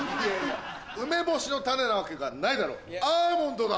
梅干しの種なわけがないだろアーモンドだ。